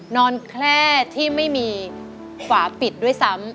นอนแค่ที่ไม่มีขวาปิดด้วยซ้ำ